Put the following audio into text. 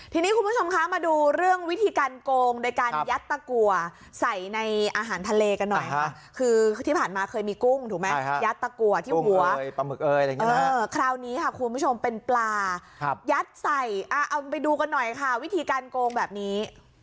ทีนี้คุณผู้ชมคะมาดูเรื่องวิธีการโกงโดยการยัดตะกัวใส่ในอาหารทะเลกันหน่อยค่ะคือที่ผ่านมาเคยมีกุ้งถูกไหมยัดตะกัวที่หัวปลาหมึกเอยอะไรอย่างนี้คราวนี้ค่ะคุณผู้ชมเป็นปลายัดใส่เอาไปดูกันหน่อยค่ะวิธีการโกงแบบนี้